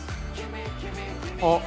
あっ。